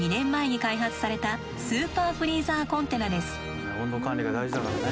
こちらが温度管理が大事だからね。